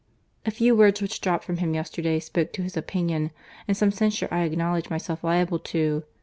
—A few words which dropped from him yesterday spoke his opinion, and some censure I acknowledge myself liable to.